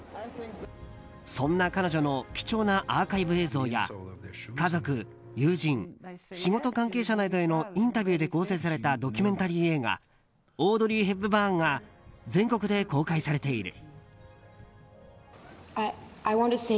そんな彼女の貴重なアーカイブ映像や家族、友人、仕事関係者などへのインタビューで構成されたドキュメンタリー映画「オードリー・ヘプバーン」が全国で公開されている。